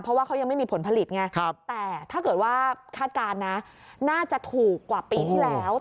เพราะว่าเขายังไม่มีผลผลิตไงแต่ถ้าเกิดว่าคาดการณ์นะน่าจะถูกกว่าปีที่แล้ว